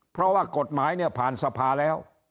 เพราะว่ากฎหมายเนี่ยผ่านสภาแล้ว